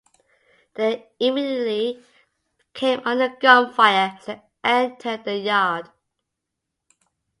They immediately came under gunfire as they entered the yard.